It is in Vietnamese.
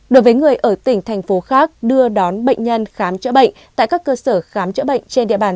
đối với người ở tỉnh thành phố khác đưa đón bệnh nhân khám chữa bệnh tại các cơ sở khám chữa bệnh trên địa bàn